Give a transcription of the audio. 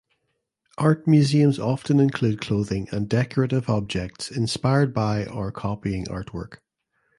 Art museums often include clothing and decorative objects inspired by or copying artwork.